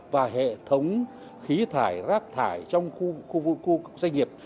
và hệ thống khí thải rác thải trong khu doanh nghiệp